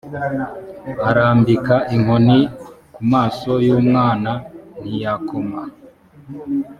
arambika inkoni ku maso y umwana ntiyakoma